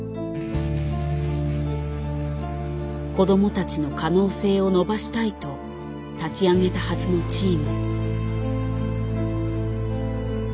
子どもたちの可能性を伸ばしたいと立ち上げたはずのチーム。